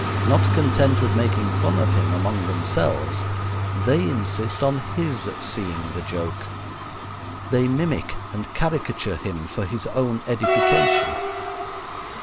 Not content with making fun of him among themselves, they insist on his seeing the joke. They mimic and caricature him for his own edification.